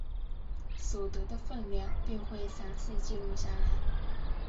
所得的份量并会详细记录下来。